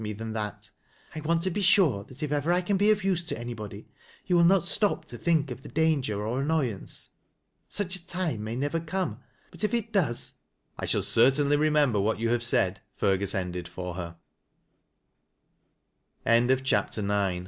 e than that I want to be sure that if ever I can be of nse to anybody, you will not stop to think of the danger oi annoyance. Such a time may never come, but if it does —'" I shall certainly reraeral cr what yen have said," Fer gns ended for h